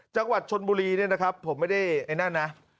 จังหวัดชนบุรีเนี่ยนะครับผมไม่ได้ไอ้นั่นนะ